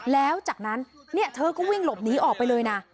แล้วจากนั้นเธอก็วิ่งหลบหนีออกไปเลยนะ